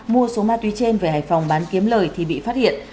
mua số ma túy trên về hải phòng bán kiếm lời thì bị phát hiện